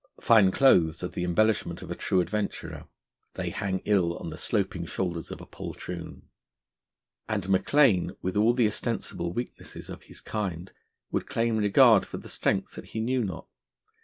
Fine clothes are the embellishment of a true adventurer; they hang ill on the sloping shoulders of a poltroon. And Maclaine, with all the ostensible weaknesses of his kind, would claim regard for the strength that he knew not.